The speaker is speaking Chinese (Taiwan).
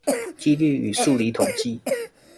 機率與數理統計